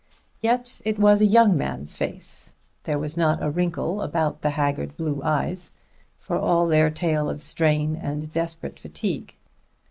Yet it was a young man's face. There was not a wrinkle about the haggard blue eyes, for all their tale of strain and desperate fatigue.